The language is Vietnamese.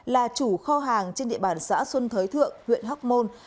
là chủ kho hàng trên địa bàn xã xuân thới thượng huyện hóc môn